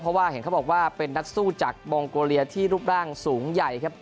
เพราะว่าเห็นเขาบอกว่าเป็นนักสู้จากมองโกเลียที่รูปร่างสูงใหญ่ครับ